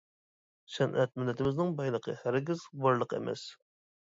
سەنئەت مىللىتىمىزنىڭ بايلىقى، ھەرگىز بارلىقى ئەمەس!